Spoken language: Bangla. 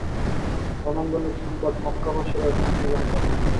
রণাঙ্গনের সংবাদ মক্কাবাসীরা কিছুই জানত না।